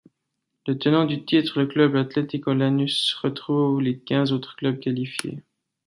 Le tenant du titre, le Club Atlético Lanús, retrouve les quinze autres clubs qualifiés.